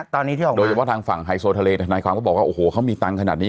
ตอนนี้ที่ออกโดยเฉพาะทางฝั่งไฮโซทะเลทนายความก็บอกว่าโอ้โหเขามีตังค์ขนาดนี้